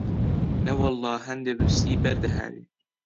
نەوەڵڵا هێندە برسی بەرد دەهاڕی